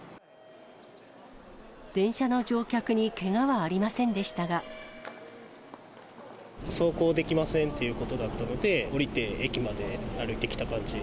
電車の乗客にけがはありませんで走行できませんということだったので、降りて駅まで歩いてきた感じ。